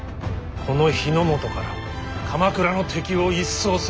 この日本から鎌倉の敵を一掃する。